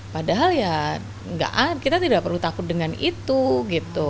padahal ya kita tidak perlu takut dengan itu gitu